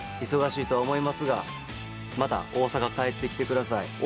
忙しいと思いますがまた大阪帰って来てください。